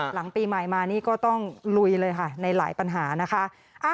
หลังปีใหม่มานี่ก็ต้องลุยเลยค่ะในหลายปัญหานะคะ